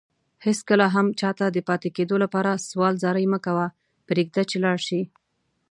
هيڅ کله هم چاته دپاتي کيدو لپاره سوال زاری مکوه پريږده چي لاړشي